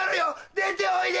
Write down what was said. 出ておいで！